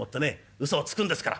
ウソをつくんですから。